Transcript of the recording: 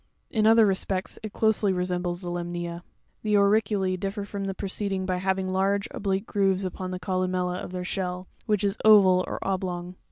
In other respects it closely re sembles the limnea. 25. The AuricuLs# differ from the pre ceding by having large oblique grooves upon the columella of their shell, which is oval or Fig.